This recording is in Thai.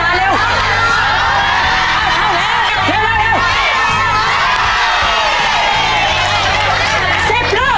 เท่าเร็วเร็วเร็ว